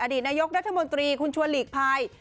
ดีตนายกรัฐมนตรีคุณชวนหลีกภัย